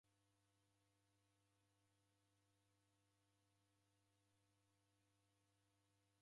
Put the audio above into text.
Simanyaa nirwa kii nguw'o reka ra machi